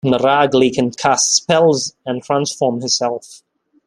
Maragli can cast spells and transform herself.